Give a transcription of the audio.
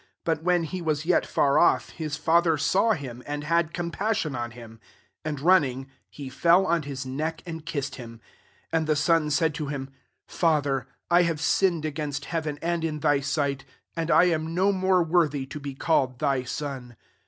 But when he was yet far off, his father saw him, and had compassion on him^ and running, he fell on his neck, and kissed him. 21 And the son said to him, * Father, I have sintied again«t heaven, and in thy sight ; {and^ I am no nK>re worthy to he called thy son.'